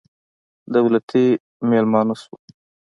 دولتي مېلمانه شوو.